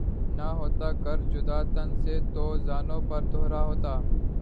نہ ہوتا گر جدا تن سے تو زانو پر دھرا ہوتا